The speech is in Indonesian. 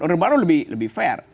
order baru lebih fair